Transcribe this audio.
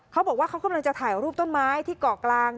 เขาบอกว่าเขากำลังจะถ่ายรูปต้นไม้ที่เกาะกลาง